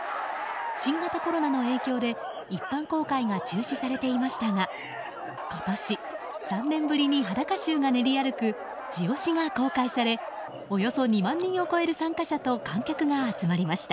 新型コロナの影響で一般公開が中止されていましたが今年、３年ぶりに裸衆が練り歩く地押しが公開されおよそ２万人を超える参加者と観客が集まりました。